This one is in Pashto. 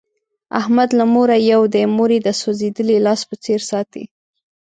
احمد له موره یو دی، مور یې د سوزېدلي لاس په څیر ساتي.